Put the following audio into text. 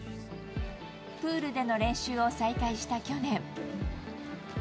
プールでの練習を再開した去年。